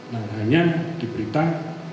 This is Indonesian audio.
nah hanya diberitakan